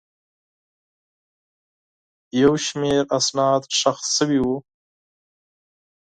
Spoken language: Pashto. یو شمېر اسناد ښخ شوي وو.